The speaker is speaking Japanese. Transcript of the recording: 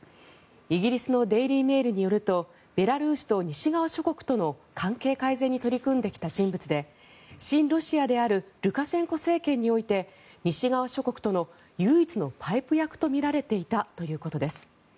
イギリスのデイリー・メールによるとベラルーシと西側諸国との関係改善に取り組んできた人物で親ロシアであるルカシェンコ政権において西側諸国との唯一のパイプ役とみられていたということです。